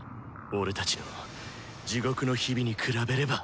俺たちの地獄の日々に比べれば。